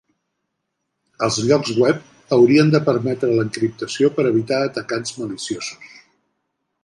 Els lloc web haurien de permetre l'encriptació per evitar atacants maliciosos.